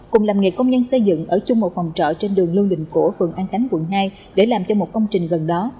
cùng làm nghề công nhân xây dựng ở chung một phòng trọ trên đường lưu bình cổ phường an khánh quận hai để làm cho một công trình gần đó